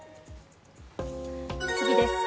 次です。